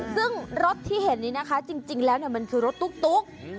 ซึ่งรถที่เห็นนี้นะคะจริงแล้วมันคือรถตุ๊ก